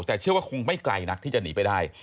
แต่เชื่อว่าคงไม่ไกลนักที่จะหนีไปได้